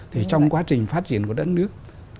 thì trong quá trình phát triển của đất nước